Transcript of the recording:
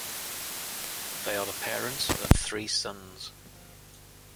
They are the parents of three sons.